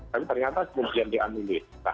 tapi ternyata kemudian diambil